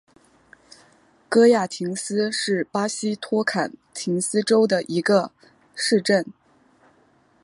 戈亚廷斯是巴西托坎廷斯州的一个市镇。